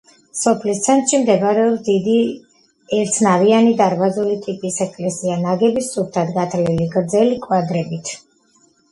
სოფლის ცენტრში მდებარეობს დიდი ერთნავიანი დარბაზული ტიპის ეკლესია, ნაგები სუფთად გათლილი გრძელი კვადრებით.